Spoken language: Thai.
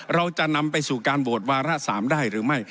เราจะนำไปสู่การโหวตวาระ๓ได้หรือไม่